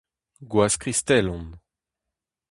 Gwaz Kristell on.